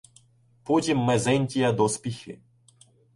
Потім Мезентія доспіхи